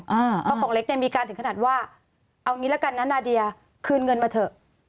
เพราะของเล็กเนี่ยมีการถึงขนาดว่าเอางี้ละกันนะนาเดียคืนเงินมาเถอะ